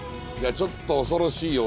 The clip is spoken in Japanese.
ちょっと恐ろしいよ俺は。